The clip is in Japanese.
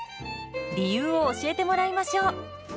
理由を教えてもらいましょう。